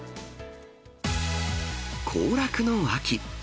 行楽の秋。